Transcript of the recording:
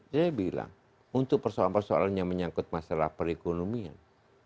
saya bilang untuk persoalan persoalan yang menyangkut masalah perekonomian